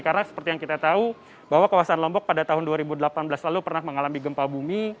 karena seperti yang kita tahu bahwa kawasan lombok pada tahun dua ribu delapan belas lalu pernah mengalami gempa bumi